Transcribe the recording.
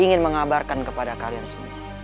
ingin mengabarkan kepada kalian semua